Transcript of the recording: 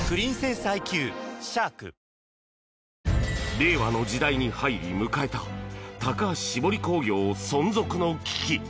令和の時代に入り迎えた高橋しぼり工業、存続の危機！